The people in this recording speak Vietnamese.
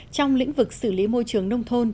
trong lĩnh vực xử lý môi trường nông thôn